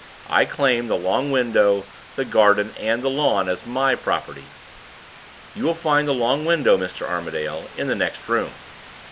I claim the long window, the garden, and the lawn, as my property. You will find the long window, Mr. Armadale, in the next room.